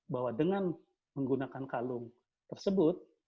bahwa dengan menggunakan kalung tersebut